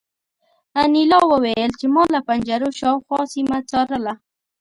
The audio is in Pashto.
انیلا وویل چې ما له پنجرو شاوخوا سیمه څارله